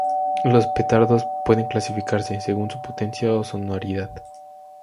Los petardos pueden clasificarse, según su potencia o sonoridad.